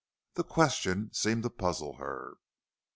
The question seemed to puzzle her.